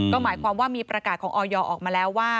ก็หมายความว่ามีประกาศของออยออกมาแล้วว่า